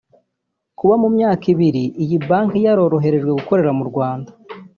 Kuba mu myaka ibiri iyi banki yaroroherejwe gukorera mu Rwanda